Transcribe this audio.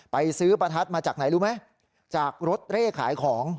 ไปซื้อประทัดมาจากไหนรู้ไหมจากรถเร่ขายของ